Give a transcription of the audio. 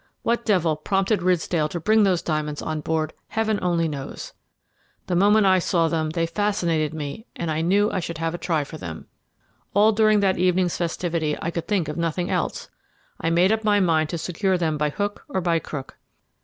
What devil prompted Ridsdale to bring those diamonds on board, Heaven only knows. The moment I saw them they fascinated me and I knew I should have a try for them. All during that evening's festivity I could think of nothing else. I made up my mind to secure them by hook or by crook.